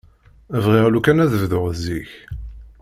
Bɣiɣ lukan ad bduɣ zik.